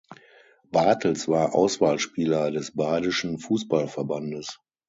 Bartels war Auswahlspieler des Badischen Fußballverbandes.